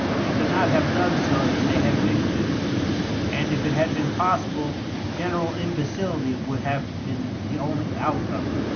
They could not have done so if they had wished to, and if it had been possible general imbecility would have been the only outcome.